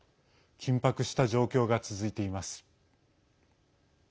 緊迫した状況が続いています。